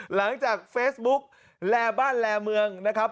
หลังจากเฟซบุ๊กแลบ้านแลเมืองนะครับ